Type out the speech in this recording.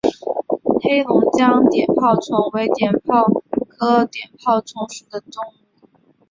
黑龙江碘泡虫为碘泡科碘泡虫属的动物。